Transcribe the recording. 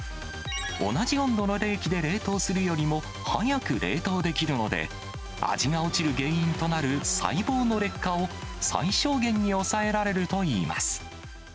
同じ温度の冷気で冷凍するよりも早く冷凍できるので、味が落ちる原因となる細胞の劣化を最小限に抑えられるといいます。